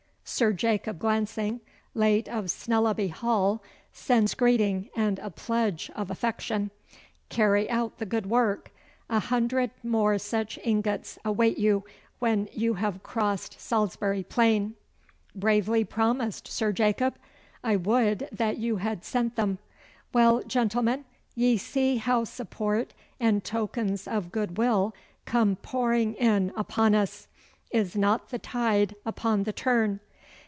"Sir Jacob Glancing, late of Snellaby Hall, sends greeting and a pledge of affection. Carry out the good work. A hundred more such ingots await you when you have crossed Salisbury Plain." Bravely promised, Sir Jacob! I would that you had sent them. Well, gentlemen, ye see how support and tokens of goodwill come pouring in upon us. Is not the tide upon the turn?